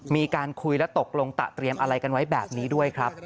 มีการคุยและตกลงตะเตรียมอะไรกันไว้แบบนี้ด้วยครับ